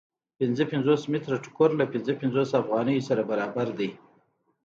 پنځه پنځوس متره ټوکر له پنځه پنځوس افغانیو سره برابر دی